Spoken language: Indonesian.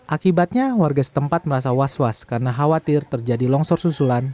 akibatnya warga setempat merasa was was karena khawatir terjadi longsor susulan